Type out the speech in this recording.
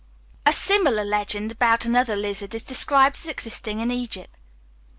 A similar legend about another lizard is described as existing in Egypt.